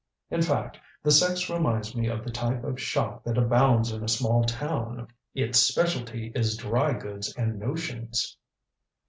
In fact, the sex reminds me of the type of shop that abounds in a small town its specialty is drygoods and notions."